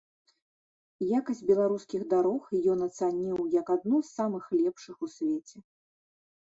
Якасць беларускіх дарог ён ацаніў як адну з самых лепшых у свеце.